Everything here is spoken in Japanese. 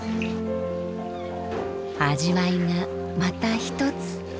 味わいがまた一つ。